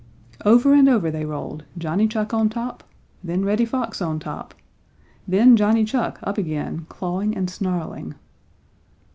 Over and over they rolled, Johnny Chuck on top, then Reddy Fox on top, then Johnny Chuck up again, clawing and snarling.